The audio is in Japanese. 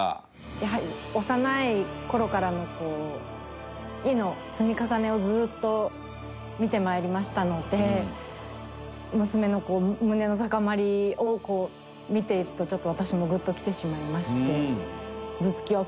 やはり幼い頃からの「好き」の積み重ねをずーっと見て参りましたので娘の胸の高まりを見ているとちょっと私もグッときてしまいまして。